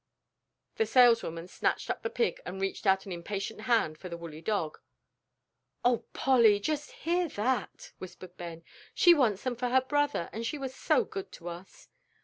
The saleswoman snatched up the pig and reached out an impatient hand for the woolly dog. "Oh, Polly, just hear that!" whispered Ben; "she wants them for her brother, and she was so good to us."